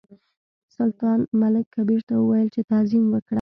سلطان ملک کبیر ته وویل چې تعظیم وکړه.